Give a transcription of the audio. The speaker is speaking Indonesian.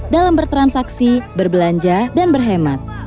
dalam bertransaksi berbelanja dan berhemat